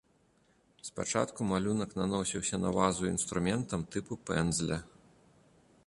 Спачатку малюнак наносіўся на вазу інструментам тыпу пэндзля.